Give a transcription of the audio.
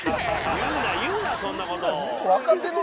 言うな言うなそんな事。